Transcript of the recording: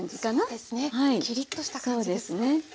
そうですねキリッとした感じですね。